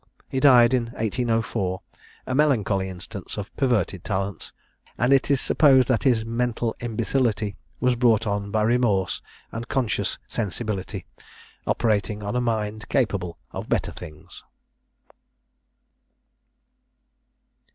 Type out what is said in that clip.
He died in 1804, a melancholy instance of perverted talents; and it is supposed that his mental imbecility was brought on by remorse and conscious sensibility, operating on a mind capable of better things.